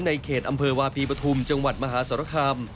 ในเขตอำเภอวาปีปฐุมจังหวัดมหาสรคาม